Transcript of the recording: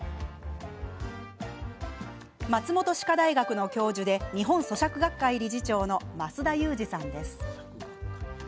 松本歯科大学の教授で日本咀嚼学会理事長の増田裕次さんです。